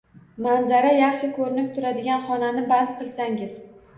Manzara yaxshi ko'rinib turadigan xonani band qilsangiz.